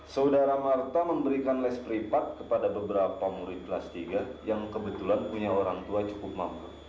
saudara marta memberikan less pripat kepada beberapa murid kelas tiga yang kebetulan punya orang tua cukup mampu